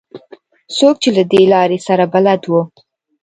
څوک چې له دې لارې سره بلد وو.